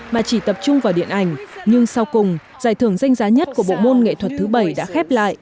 mà chỉ tập trung vào điện ảnh nhưng sau cùng giải thưởng danh giá nhất của bộ môn nghệ thuật thứ bảy đã khép lại